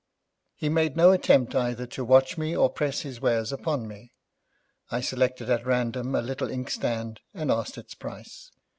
He made no attempt either to watch me or to press his wares upon me. I selected at random a little ink stand, and asked its price.